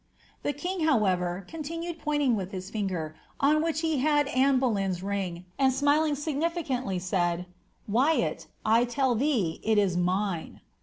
The king, however, continued pointing with his finger, on which h had Anne Boleyn^s ring, and, smiling significantly, said, ^ Wyatt, 1 tell thee it is miite."